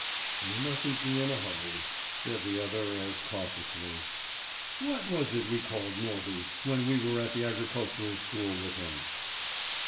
"We musn't be in a hurry," said the other as cautiously. "What was it we called Norby, when we were at the agricultural school with him?"